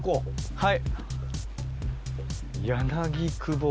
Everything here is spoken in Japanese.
はい。